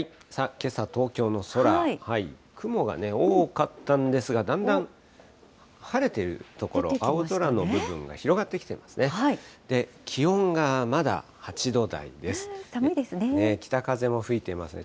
けさ東京の空、雲がね、多かったんですが、だんだん晴れてる所、青空の部分が広がってきていますね。